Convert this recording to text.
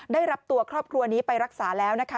ได้รับตัวครอบครัวนี้ไปรักษาแล้วนะคะ